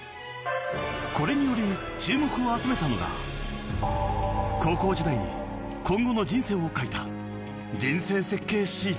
これにより注目を集めたのが高校時代に今後の人生を書いた人生設計シート。